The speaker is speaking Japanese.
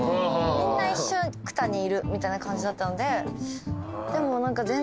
みんな一緒くたにいるみたいな感じだったのででも何か。